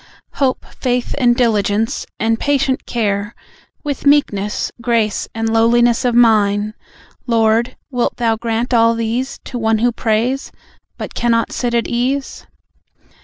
Hope, faith and diligence, and patient care, With meekness, grace, and lowliness of mind. Lord, wilt Thou grant all these To one who prays, but cannot sit at ease?